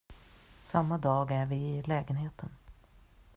Samma dag är vi i lägenheten.